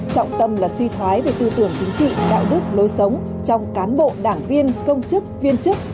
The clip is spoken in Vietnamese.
trọng tâm là suy thoái về tư tưởng chính trị đạo đức lối sống trong cán bộ đảng viên công chức viên chức